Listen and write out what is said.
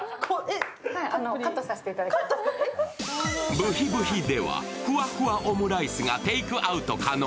ぶひぶひではふわふわオムライスがテイクアウト可能。